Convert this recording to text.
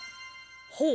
ほう。